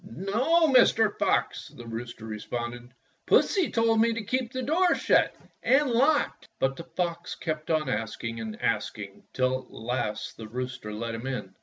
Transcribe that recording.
"No, Mr. Fox," the rooster responded, "Pussy told me to keep the door shut and locked." But the fox kept on asking and asking till at last the rooster let him in.